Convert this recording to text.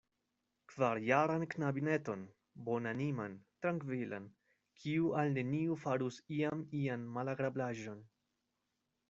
Kvarjaran knabineton, bonaniman, trankvilan, kiu al neniu farus iam ian malagrablaĵon.